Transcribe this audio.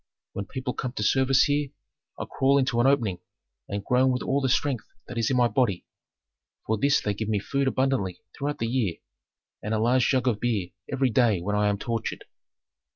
When people come to service here, I crawl into an opening and groan with all the strength that is in my body; for this they give me food abundantly throughout the year, and a large jug of beer every day when I am tortured.'